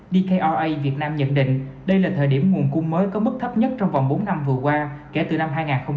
dkr việt nam nhận định đây là thời điểm nguồn cung mới có mức thấp nhất trong vòng bốn năm vừa qua kể từ năm hai nghìn một mươi